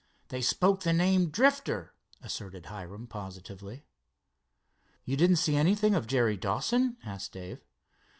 They spoke the name Drifter," asserted Hiram positively. "You didn't see anything of Jerry Dawson?" asked Dave.